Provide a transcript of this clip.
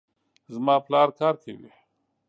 زما پلار کار کوي